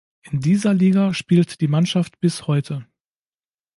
In dieser Liga spielt die Mannschaft bis heute.